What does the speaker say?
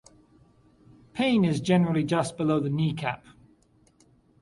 Pain is generally just below the kneecap.